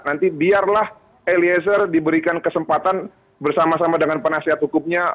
nanti biarlah eliezer diberikan kesempatan bersama sama dengan penasihat hukumnya